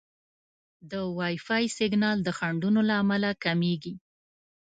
د وائی فای سیګنال د خنډونو له امله کمېږي.